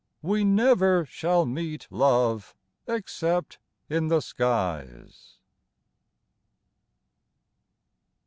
We never shall meet, love, Except in the skies!